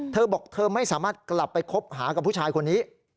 เธอบอกเธอไม่สามารถกลับไปคบหากับผู้ชายคนนี้